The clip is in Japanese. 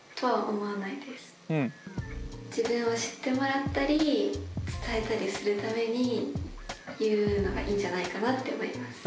自分を知ってもらったり伝えたりするために言うのがいいんじゃないかなって思います。